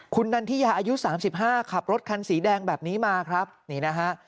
คุณนันทิยาอายุ๓๕ขับรถคันสีแดงแบบนี้มาครับนี่นะฮะ